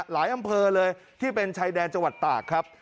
อำเภอเลยที่เป็นชายแดนจังหวัดตากครับ